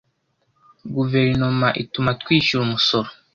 Guverinoma ituma twishyura umusoro.